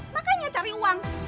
makanya cari uang